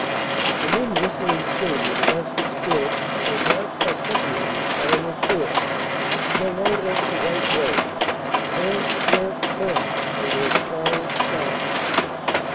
The men whistle and sing, in the best of spirits. They march by companies in column of four, strung out over the white road tramp, tramp, tramp, under a starlit sky.